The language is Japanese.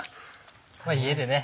家でね